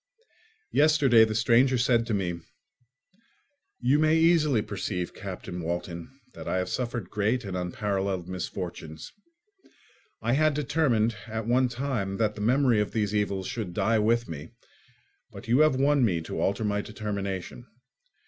Yesterday the stranger said to me, "You may easily perceive, Captain Walton, that I have suffered great and unparalleled misfortunes. I had determined at one time that the memory of these evils should die with me, but you have won me to alter my determination.